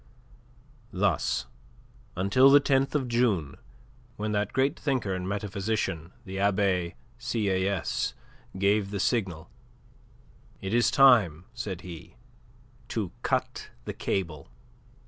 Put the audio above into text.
Thus until the 10th of June, when that great thinker and metaphysician, the Abbe Sieyes, gave the signal: "It is time," said he, "to cut the cable."